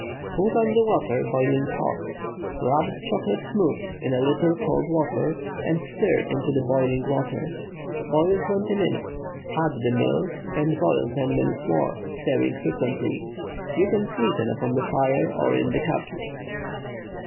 Put on the water boiling hot. Rub the chocolate smooth in a little cold water, and stir into the boiling water. Boil twenty minutes; add the milk and boil ten minutes more, stirring frequently. You can sweeten upon the fire or in the cups.